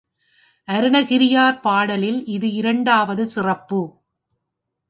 அருண்கிரியார் பாடலில் இது இரண்டாவது சிறப்பு.